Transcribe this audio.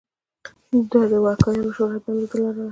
د دوکیانو شورا دنده لرله.